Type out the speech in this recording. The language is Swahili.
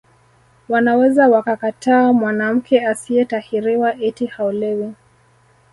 Wanaweza wakakataa mwanamke asiyetahiriwa eti haolewi